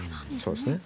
そうですね。